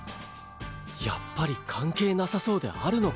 やっぱり関係なさそうであるのか！